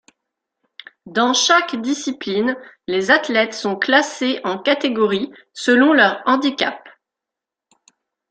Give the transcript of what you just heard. Dans chaque discipline, les athlètes sont classés en catégories selon leur handicap.